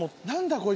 何だ？